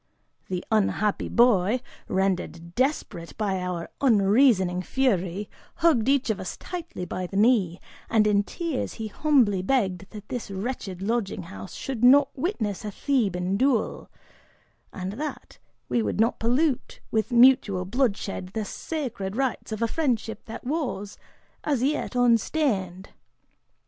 The unhappy boy, rendered desperate by our unreasoning fury, hugged each of us tightly by the knee, and in tears he humbly begged that this wretched lodging house should not witness a Theban duel, and that we would not pollute with mutual bloodshed the sacred rites of a friendship that was, as yet, unstained.